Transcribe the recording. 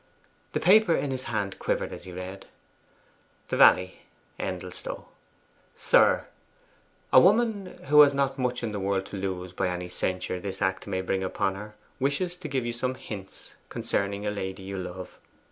The paper in his hand quivered as he read: 'THE VALLEY, ENDELSTOW. 'SIR, A woman who has not much in the world to lose by any censure this act may bring upon her, wishes to give you some hints concerning a lady you love.